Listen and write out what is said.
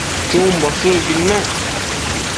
chumboshëcquid nec